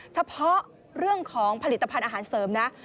เฉพาะเรื่องของผลิตภัณฑ์อาหารเสริมนะ